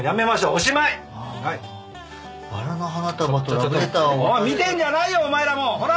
おい見てんじゃないよお前らも！ほら！